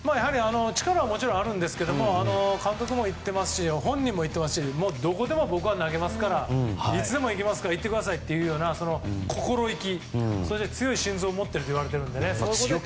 力はもちろんあるんですが監督も言ってますし本人も言っていますしどこでも僕は投げますからいつでもいけますから言ってくださいという心意気強い心臓を持っているといわれているので。